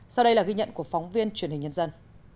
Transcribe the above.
sau đây là ghi nhận của phóng viên truyền hình nhân dân